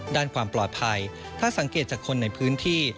ด้านความปลอดภัยถ้าสังเกตจากคนในพื้นที่